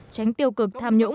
tránh tiêu cực tham nhũng